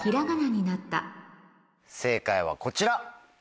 正解はこちら！